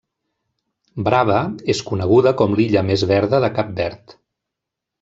Brava és coneguda com l'illa més verda de Cap Verd.